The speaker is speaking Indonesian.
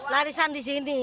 larisan di sini